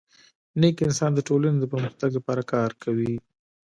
نیک انسان د ټولني د پرمختګ لپاره کار کوي.